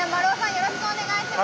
よろしくお願いします。